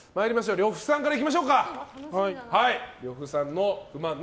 呂布さんからいきましょうか。